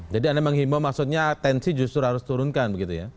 jadi anda menghimbau maksudnya tensi justru harus turunkan